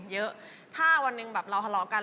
เยอะถ้าวันเดียวเราครอบครับ